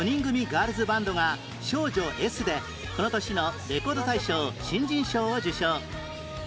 ガールズバンドが『少女 Ｓ』でこの年のレコード大賞新人賞を受賞